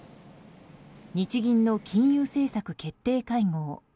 日銀の金融政策決定会合。